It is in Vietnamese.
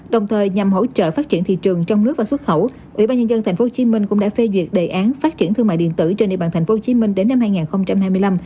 đồng thời nhằm hỗ trợ phát triển thị trường trong nước và xuất khẩu ủy ban nhân dân tp hcm cũng đã phê duyệt đề án phát triển thương mại điện tử trên địa bàn tp hcm đến năm hai nghìn hai mươi năm